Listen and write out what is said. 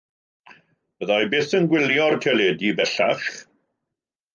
Fydda i byth yn gwylio'r teledu bellach.